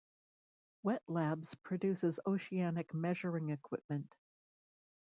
Wet Labs produces oceanographic measuring equipment.